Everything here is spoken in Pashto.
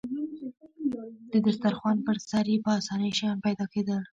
د دسترخوان پر سر يې په اسانۍ شیان پیدا کېدل.